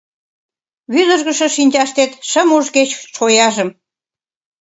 Вӱдыжгышӧ шинчаштет Шым уж кеч шояжым.